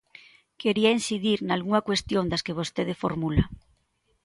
Quería incidir nalgunha cuestión das que vostede formula.